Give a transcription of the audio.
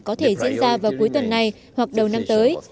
có thể diễn ra vào cuối tuần này hoặc đầu năm tới